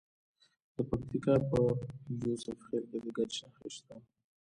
د پکتیکا په یوسف خیل کې د ګچ نښې شته.